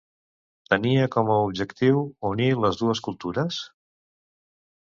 Tenia com a objectiu unir les dues cultures?